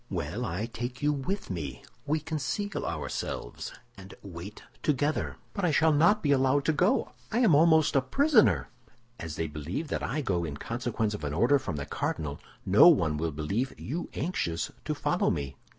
Well, I take you with me; we conceal ourselves, and wait together." "But I shall not be allowed to go; I am almost a prisoner." "As they believe that I go in consequence of an order from the cardinal, no one will believe you anxious to follow me."